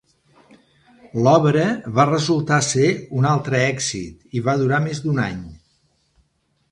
L'obra va resultar ser un altre èxit i va durar més d'un any.